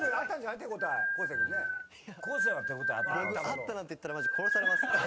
あったなんて言ったらマジ殺されます。